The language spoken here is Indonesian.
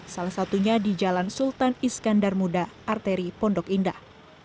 salah satunya di jalan sultan iskandar muda arteri pondok indah